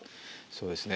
そうですね。